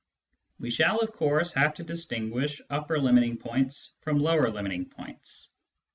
We shall, of course, have to distinguish upper limiting points from lower limiting points.